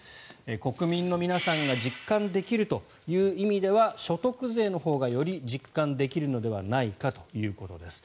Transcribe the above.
国民の皆さんが実感できるという意味では所得税のほうがより実感できるのではないかということです。